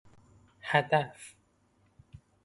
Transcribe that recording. هفت